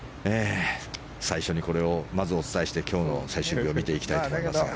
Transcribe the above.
最初にこれをまずお伝えして今日の最終日を見ていきたいと思いますが。